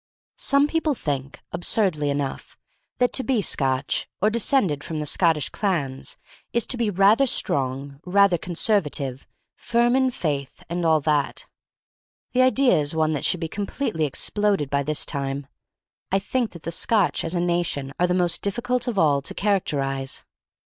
SOME people think, absurdly enough, that to be Scotch or descended from the Scottish clans is to be rather strong, rather conserva tive, firm in faith, and all that. The idea is one that should be completely exploded by this time. I think that the Scotch as a nation are the most difficult of all to characterize.